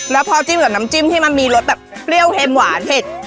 แล้วพอจิ้มกับน้ำจิ้มที่มันมีรสแบบเปรี้ยวเค็มหวานเผ็ด